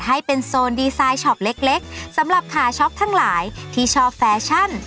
ให้เป็นโซนดีไซน์ช็อปเล็กสำหรับขาช็อกทั้งหลายที่ชอบแฟชั่น